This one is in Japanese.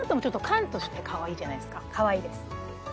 これかわいいです！